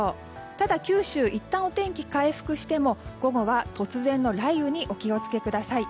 ただ九州はいったんお天気が回復しても午後は突然の雷雨にお気をつけください。